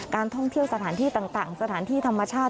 การท่องเที่ยวสถานที่ต่างสถานที่ธรรมชาติ